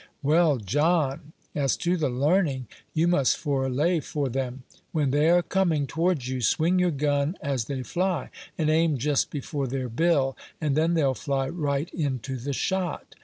"Well, John, as to the learning, you must forelay for them; when they're coming towards you, swing your gun as they fly, and aim jest before their bill, and then they'll fly right into the shot.